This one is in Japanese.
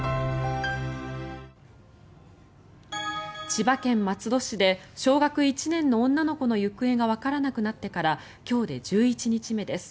千葉県松戸市で小学１年の女の子の行方がわからなくなってから今日で１１日目です。